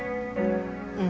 うん。